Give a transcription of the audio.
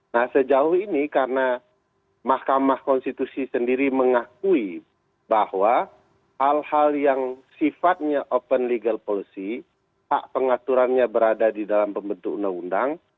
nah sejauh ini karena mahkamah konstitusi sendiri mengakui bahwa hal hal yang sifatnya open legal policy hak pengaturannya berada di dalam pembentuk undang undang